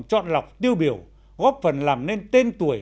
chọn lọc tiêu biểu góp phần làm nên tên tuổi